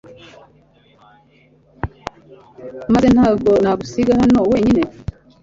muze ntago nagusiga hano wenyine